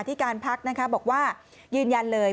ที่การพักนะคะบอกว่ายืนยันเลย